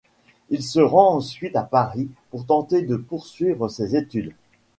Il se rend ensuite à Paris pour tenter de poursuivre ses études.